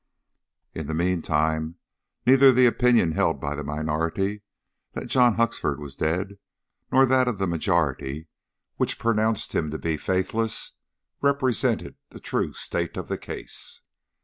In the meantime neither the opinion held by the minority that John Huxford was dead, nor that of the majority, which pronounced him to be faithless, represented the true state of the case.